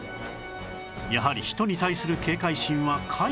やはり人に対する警戒心は皆無のよう